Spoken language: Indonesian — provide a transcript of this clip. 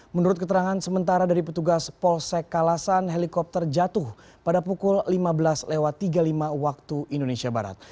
menurut keterangan sementara dari petugas polsek kalasan helikopter jatuh pada pukul lima belas tiga puluh lima waktu indonesia barat